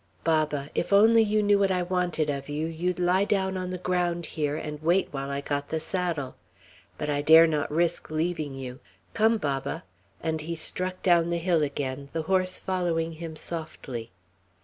"Baba, if only you knew what I wanted of you, you'd lie down on the ground here and wait while I got the saddle. But I dare not risk leaving you. Come, Baba!" and he struck down the hill again, the horse following him softly.